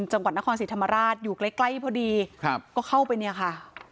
จังหวัดนครศรีธรรมราชอยู่ใกล้ใกล้พอดีครับก็เข้าไปเนี่ยค่ะ